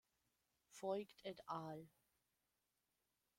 Voigt et al.